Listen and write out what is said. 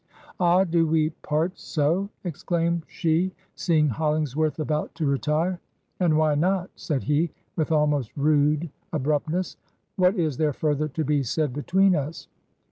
...' Ah, do we part so?' exclaimed she, seeing HoUingsworth about to retire. 'And why not?' said he, with almost rude abruptness. 'What is there further to be said between us?'